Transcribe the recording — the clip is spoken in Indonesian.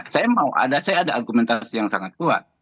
saya ada argumentasi yang sangat kuat